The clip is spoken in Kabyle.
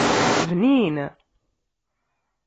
Bnin.